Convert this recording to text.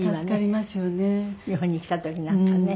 日本に来た時なんかね。